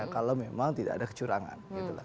kalau memang tidak ada kecurangan